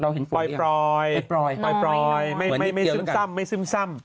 เราเห็นฝนอย่างนี้ปล่อยปล่อยปล่อยไม่ซึมซ่ำไม่ซึมซ่ำ